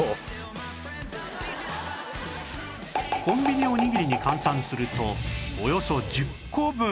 コンビニおにぎりに換算するとおよそ１０個分